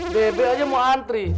bebek aja mau antri